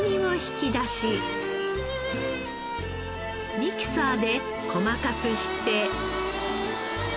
ミキサーで細かくして。